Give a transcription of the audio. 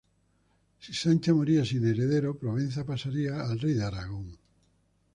Si Sancha moría sin heredero, Provenza pasaría al rey de Aragón.